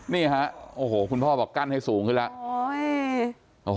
นี่ฮะโอ้โหคุณพ่อบอกกั้นให้สูงขึ้นแล้ว